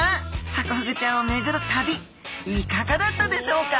ハコフグちゃんをめぐる旅いかがだったでしょうか？